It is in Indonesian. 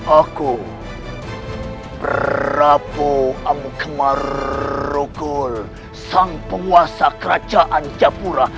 aku prabu amukmarugul sang penguasa kerajaan japura